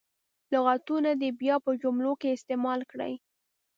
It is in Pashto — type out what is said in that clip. لغتونه دې بیا په جملو کې استعمال کړي.